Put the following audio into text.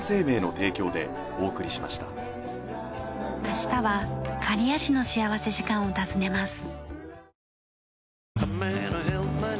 明日は刈谷市の幸福時間を訪ねます。